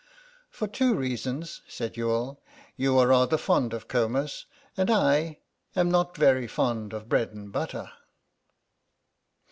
"For two reasons," said Youghal; "you are rather fond of Comus. And I—am not very fond of bread and butter."